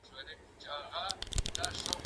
هغه وویل چې منډه ښه ده!.